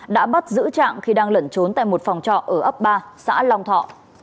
đã bắt giữ trạng khi đang lẩn trốn tại một phòng trọ ở ấp ba xã long thọ